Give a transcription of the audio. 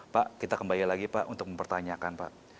pak kita kembali lagi pak untuk mempertanyakan pak